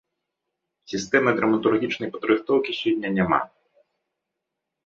Сістэмы драматургічнай падрыхтоўкі сёння няма.